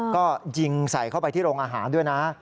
ก็ยิงใส่เข้าไปที่โรงอาหารด้วยนะ